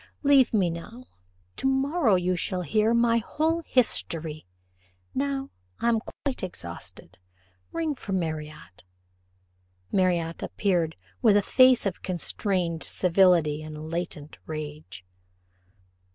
Leave me now tomorrow you shall hear my whole history now I am quite exhausted ring for Marriott." Marriott appeared with a face of constrained civility and latent rage.